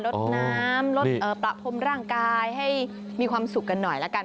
ลดน้ำลดประพรมร่างกายให้มีความสุขกันหน่อยละกัน